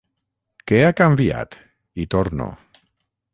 Què ha canviat? —hi torno—.